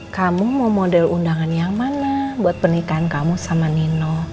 kamu mau model undangan yang mana buat pernikahan kamu sama nino